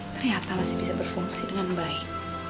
ternyata masih bisa berfungsi dengan baik